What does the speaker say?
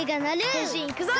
へんしんいくぞ！